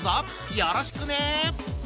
よろしくね！